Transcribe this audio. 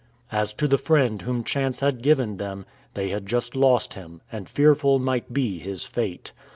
As to the friend whom chance had given them, they had just lost him, and fearful might be his fate.